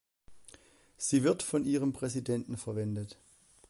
Sie wird von ihrem Präsidenten verwendet.